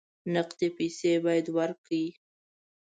نقدې پیسې باید ورکړې.